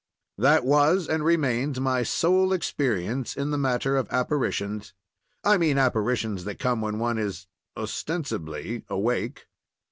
That was and remains my sole experience in the matter of apparitions—I mean apparitions that come when one is (ostensibly) awake.